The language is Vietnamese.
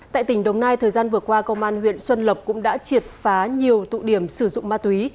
tại tỉnh đồng nai thời gian vừa qua công an huyện xuân lộc cũng đã triệt phá nhiều tụ điểm sử dụng ma túy